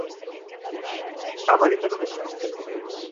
A maleta non está.